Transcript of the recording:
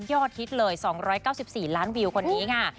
ฮิตเลย๒๙๔ล้านวิวคนนี้ค่ะ